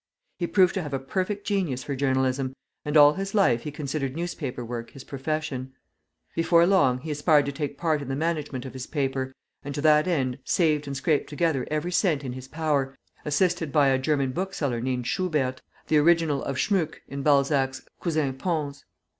He proved to have a perfect genius for journalism, and all his life he considered newspaper work his profession. Before long he aspired to take part in the management of his paper, and to that end saved and scraped together every cent in his power, assisted by a German bookseller named Schubert, the original of Schmuke, in Balzac's "Cousin Pons."